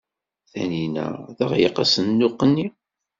Tanina teɣleq asenduq-nni.